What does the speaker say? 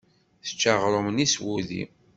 Tečča aɣrum-nni s wudi.